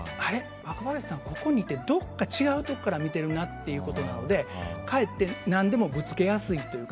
若林さん、ここにいてどこか違うところから見ているなということなのでかえって何でもぶつけやすいというか。